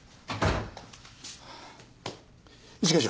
一課長。